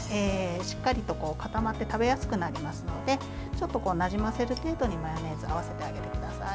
しっかりと固まって食べやすくなりますのでちょっとなじませる程度にマヨネーズを合わせてあげてください。